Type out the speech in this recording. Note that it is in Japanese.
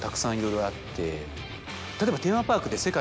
例えば。